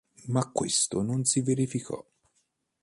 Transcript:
Ma questo non si verificò.